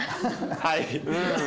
はい。